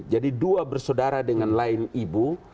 jadi dua bersaudara dengan lain ibu